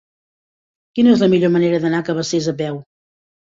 Quina és la millor manera d'anar a Cabacés a peu?